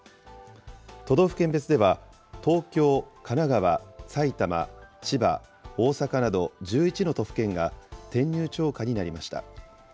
都道府県別では、東京、神奈川、埼玉、千葉、大阪など、１１の都府県が転入超過になりました。